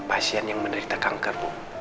pasien yang menderita kanker